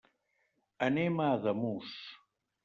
Anem a Ademús.